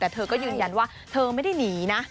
แต่เธอก็ยืนยันว่าเธอไม่ได้หนีนะ